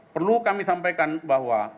perlu kami sampaikan bahwa